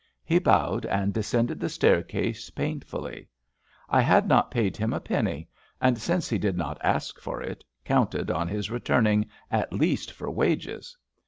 He bowed and descended the staircase painfully. I had not paid him a penny, and since he did not ask for it, counted on his returning at least for wages.